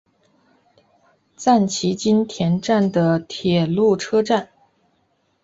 赞岐津田站的铁路车站。